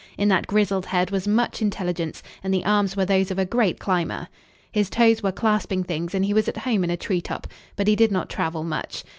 In that grizzled head was much intelligence and the arms were those of a great climber. His toes were clasping things and he was at home in a treetop. But he did not travel much.